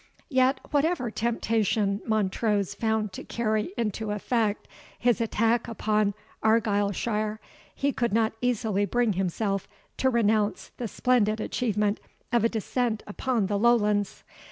Yet whatever temptation Montrose found to carry into effect his attack upon Argyleshire, he could not easily bring himself to renounce the splendid achievement of a descent upon the Lowlands.